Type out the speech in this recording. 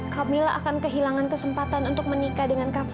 kamila akan kehilangan kesempatan untuk menikah